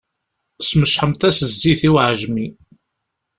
Smecḥemt-as zzit i uεejmi.